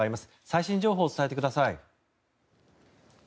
最新情報を伝えてください。